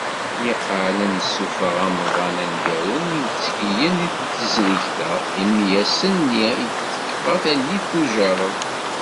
Niqal ad d-nessuffeɣ amḍan aneggaru n yimttekkiyen deg tezrigt-a, imi ass-nni ideg tekfa tallit n ujerred.